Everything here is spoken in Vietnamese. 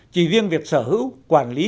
chỉ riêng việc sở hữu quản lý